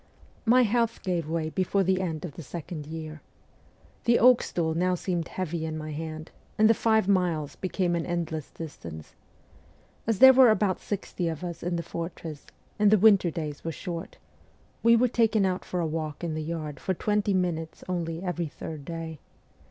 My health gave way before the end of the second year. The oak stool now seemed heavy in my hand, and the five miles became an endless distance. As there were about sixty of us in the fortress, and the winter days were short, we were taken out for a walk in the yard for twenty minutes only every third day.